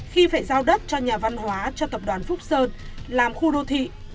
khi phải giao đất cho nhà văn hóa cho tập đoàn phúc sơn làm khu đô thị